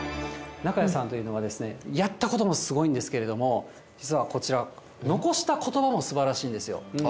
中谷さんというのはですね、やったこともすごいんですけれども、実はこちら、残したことばもすばらしいんですよ。